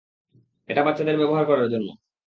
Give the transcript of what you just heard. এটা বাচ্চাদের ব্যবহার করার জন্য।